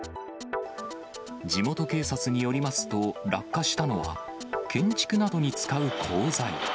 地元警察によりますと、落下したのは、建築などに使う鋼材。